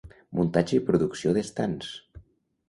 Muntatge i producció d'estands.